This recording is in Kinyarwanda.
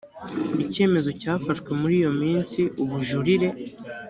icyemezo cyafashwe muri iyo minsi ubujurire